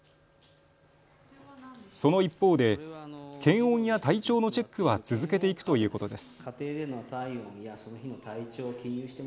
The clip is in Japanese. その一方で検温や体調のチェックは続けていくということです。